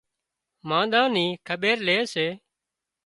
مانۮان نِي کٻير لي سي